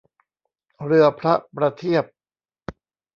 เรือพระประเทียบ